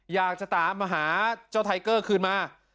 อยากจะตามมาหาเจ้าไทเกอร์คืนมา